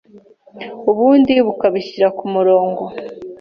ubundi bukabishyira ku murongo.